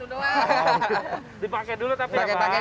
dipakai dulu tapi ya pak